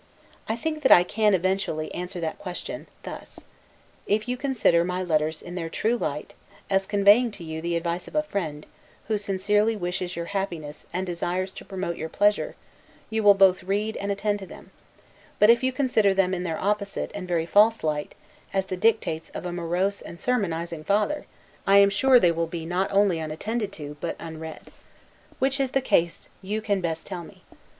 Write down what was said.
I think that I can, eventually, answer that question, thus: If you consider my letters in their true light, as conveying to you the advice of a friend, who sincerely wishes your happiness, and desires to promote your pleasure, you will both read and attend to them; but, if you consider them in their opposite, and very false light, as the dictates of a morose and sermonizing father, I am sure they will be not only unattended to, but unread. Which is the case, you can best tell me.